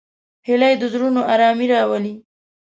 هیلۍ د زړونو آرامي راولي